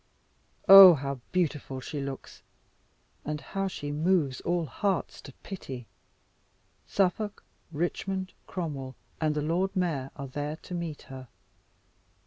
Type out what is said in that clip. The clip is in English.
Ah, how beautiful she looks! and how she moves all hearts to pity! Suffolk, Richmond, Cromwell, and the Lord Mayor are there to meet her.